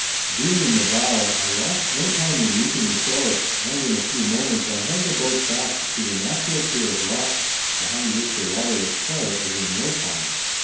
Being in the bow, I lost no time in leaping ashore, and in a few moments I had the boat fast to a natural pier of rock, behind which the water was quiet as in a mill pond.